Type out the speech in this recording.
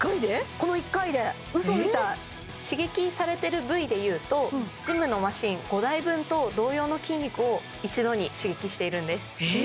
この１回で嘘みたい刺激されてる部位でいうとジムのマシン５台分と同様の筋肉を一度に刺激しているんですええ！